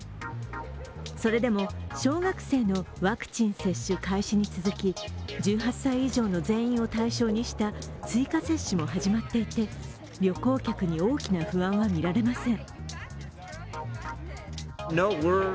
それでも小学生のワクチン接種開始に続き１８歳以上の全員を対象にした追加接種も始まっていて、旅行客に大きな不安は見られません。